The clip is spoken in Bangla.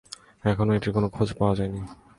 এখনও এটির কোন খোঁজ পাওয়া যায়নি।